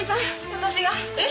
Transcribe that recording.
私がえっ？